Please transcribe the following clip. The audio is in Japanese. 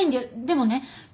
でもね